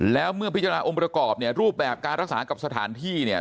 แล้วเมื่อพิจารณาองค์ประกอบเนี่ยรูปแบบการรักษากับสถานที่เนี่ย